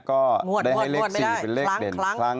ก็ได้ให้เลข๔เป็นเลขเด่นครั้ง